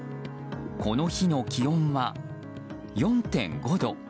この日の気温は、４．５度。